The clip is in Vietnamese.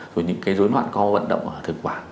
rồi những cái dối loạn có vận động ở thực quản